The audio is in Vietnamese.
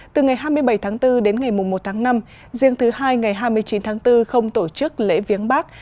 từ ngày hai mươi bảy tháng bốn đến ngày một tháng năm riêng thứ hai ngày hai mươi chín tháng bốn không tổ chức lễ viếng bác